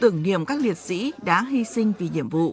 nhiệm các liệt sĩ đã hy sinh vì nhiệm vụ